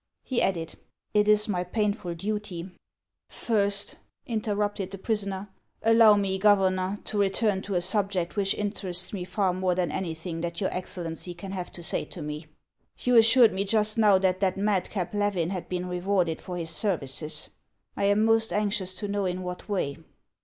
He added :" It is my pain ful duty —" 270 HANS OF ICELAND. " First," interrupted the prisoner, " allow me, Governor, to return to a subject which interests me far more than anything that your Excellency can have to say to me. You assured me just now that that madcap Levin had been rewarded for his services. I am most anxious to know in what way."